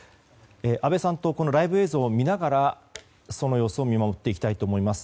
安倍さんとライブ映像を見ながらその様子を見守っていきたいと思います。